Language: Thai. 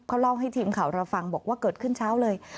เขาเล่าให้ทีมข่าวเราฟังบอกว่าเกิดขึ้นเช้าเลย